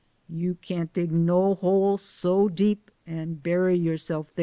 You can't dig no hole so deep an' bury yourself dar.